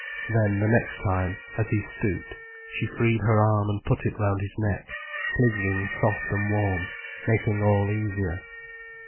Then the next time, as he stooped, she freed her arm and put it round his neck, clinging soft and warm, making all easier.